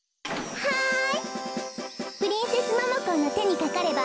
はい。